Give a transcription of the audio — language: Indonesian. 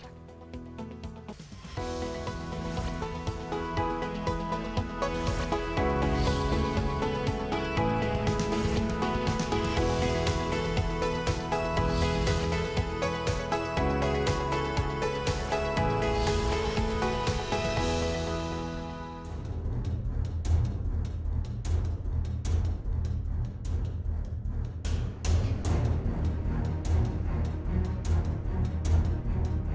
peningkatan keda selamat komunikasi